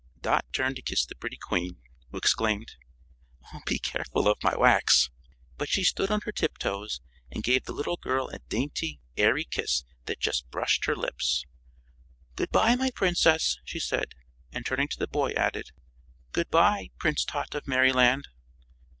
Dot turned to kiss the pretty Queen, who exclaimed: "Be careful of my wax!" But she stood on her tiptoes and gave the little girl a dainty, airy kiss that just brushed her lips. "Good bye my Princess," she said, and turning to the boy, added: "Good bye, Prince Tot of Merryland."